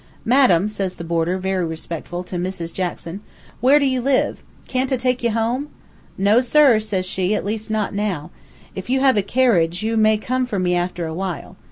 "'Madam,' says the boarder, very respectful, to Mrs. Jackson, 'where do you live? Can't I take you home?' 'No, sir,' says she, 'at least not now. If you have a carriage, you may come for me after a while.